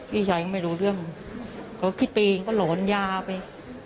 พี่ชายก็ไม่รู้เรื่องเขาคิดไปเองก็หลอนยาไป